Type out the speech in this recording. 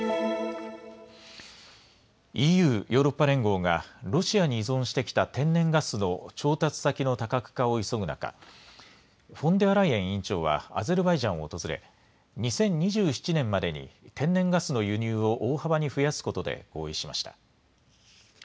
ＥＵ・ヨーロッパ連合がロシアに依存してきた天然ガスの調達先の多角化を急ぐ中、フォンデアライエン委員長はアゼルバイジャンを訪れ、２０２７年までに天然ガスの輸入を大幅に増やすことで合意しました。